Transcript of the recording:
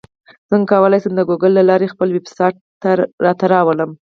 څنګه کولی شم د ګوګل له لارې خپل ویبسایټ راته راولم